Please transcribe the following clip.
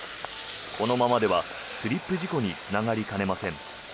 このままではスリップ事故につながりかねません。